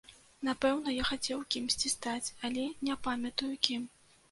Напэўна, я хацеў кімсьці стаць, але не памятаю кім.